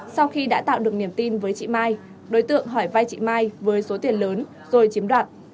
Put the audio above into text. sau khi đã tạo được niềm tin với chị mai đối tượng hỏi vai chị mai với số tiền lớn rồi chiếm đoạt